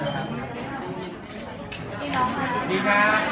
อันสักเยี่ยมช่วยใจดีกว่ามีที่มาก่อน